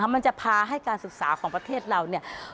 มันจะพาให้การศึกษาของประเทศเราเนี่ย